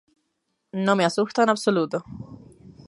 No me asusta en absoluto.